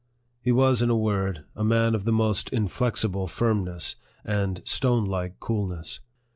He was, in a word, a man of the most inflexible firmness and stone like coolness.